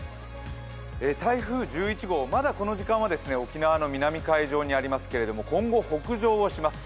台風１１号、まだこの時間は沖縄の南海上にありますけど今後、北上をします。